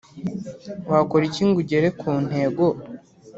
Wakora iki ngo ugere ku ntego